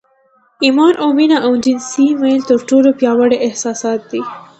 ایمان او مینه او جنسي میل تر ټولو پیاوړي احساسات دي